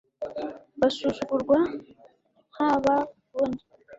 basuzugurwa, ntababone